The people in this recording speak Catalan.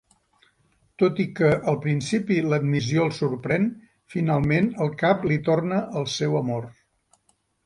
Tot i que, al principi l'admissió el sorprèn, finalment el cap li torna el seu amor.